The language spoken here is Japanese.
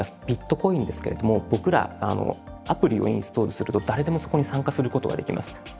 ビットコインですけれども僕らアプリをインストールすると誰でもそこに参加することができます。